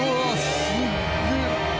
すっげえ！